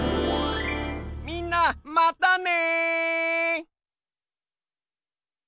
みんなまたね！